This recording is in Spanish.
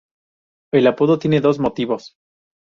El apodo tiene dos motivos.